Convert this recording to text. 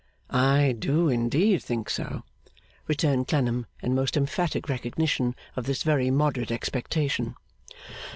'I do indeed think so,' returned Clennam, in most emphatic recognition of this very moderate expectation.